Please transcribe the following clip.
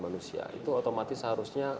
manusia itu otomatis seharusnya